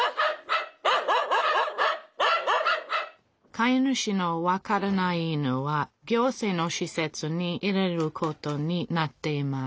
飼い主の分からない犬は行政のしせつに入れることになっています